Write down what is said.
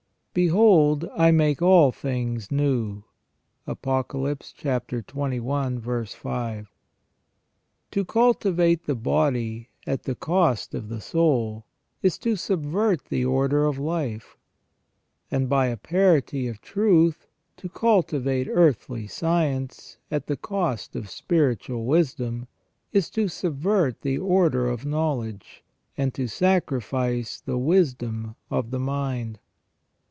"Behold I make all things new." — Apocalypse xxi. 5. TO cultivate the body at the cost of the soul is to subvert the order of life ; and, by a parity of truth, to cultivate earthly science at the cost of spiritual wisdom, is to subvert the order of knowledge, and to sacrifice the wisdom of the mind.